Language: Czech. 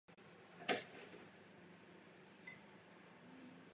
Vyučovací hodina měla být také rozdělena na určité navazující části.